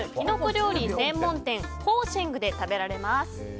料理専門店ホーシェングで食べられます。